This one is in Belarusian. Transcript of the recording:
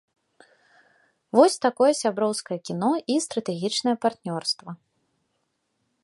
Вось такое сяброўскае кіно і стратэгічнае партнёрства.